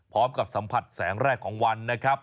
พร้อมกับสัมผัสแสงแรกของวันนะครับ